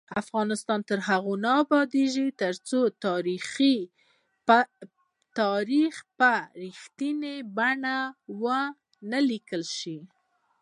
افغانستان تر هغو نه ابادیږي، ترڅو تاریخ په رښتینې بڼه ونه لیکل شي.